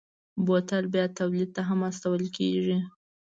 بوتل بیا تولید ته هم استول کېږي.